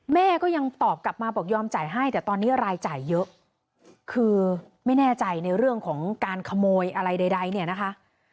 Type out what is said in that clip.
แม่ก็ยังตอบกลับมาบอกยอมจ่ายให้แต่ตอนนี้รายจ่ายเยอะคือไม่แน่ใจในเรื่องของการขโมยอะไรใดเนี่ยนะคะ